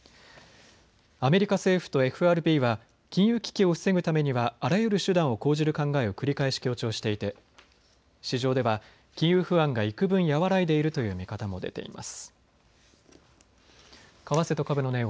アメリカ政府とＦＲＢは金融危機を防ぐためにはあらゆる手段を講じる考えを繰り返し強調していて市場では金融不安がいくぶん和らいでいるという見方も出ています。